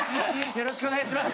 よろしくお願いします！